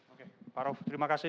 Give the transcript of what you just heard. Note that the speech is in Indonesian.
oke pak roh terima kasih